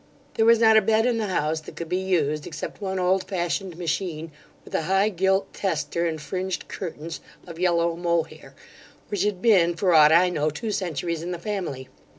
There was not a bed in the house that could be used, except one old fashioned machine, with a high gilt tester and fringed curtains of yellow mohair, which had been, for aught I know, two centuries in the family.